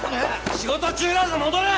仕事中だぞ戻れ！